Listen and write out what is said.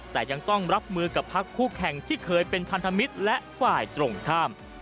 แต่ยังต้องรับมือกับพักคู่แข่งที่เคยเป็นพันธมิตรและฝ่ายตรงข้าม